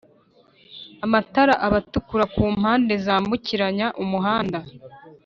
Amatara aba atukura ku mpande zambukiranya umuhanda